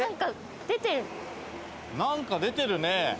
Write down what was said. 何か出てる。